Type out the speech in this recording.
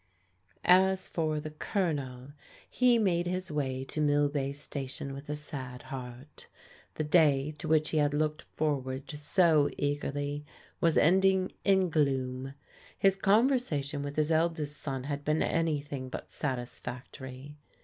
As for the Colonel, he made his way to Millbay Sta tion with a sad heart. The day, to which h& Viad \o«^<t^ 122 PBODIGAL DAUGHTERS forward so eagerly, was ending in gloom. His conver sation with his eldest soon had been anything but satis factory.